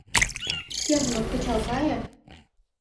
— Шкенжымак кычал кае.